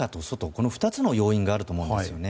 この２つの要因があると思うんですよね。